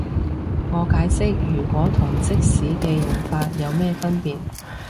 我解釋如果同即使嘅用法有咩分別